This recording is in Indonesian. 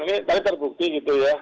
ini tadi terbukti gitu ya